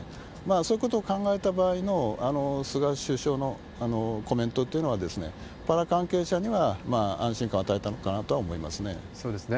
そういうことを考えた場合の菅首相のコメントというのは、パラ関係者には安心感を与えたのかなとは思いますね。